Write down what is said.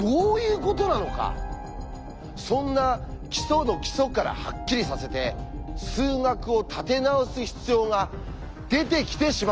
そんな基礎の基礎からハッキリさせて数学を立て直す必要が出てきてしまったんです！